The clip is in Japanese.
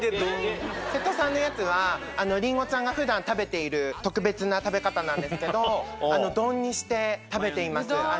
瀬戸さんのやつはりんごちゃんが普段食べている特別な食べ方なんですけど丼にして食べています。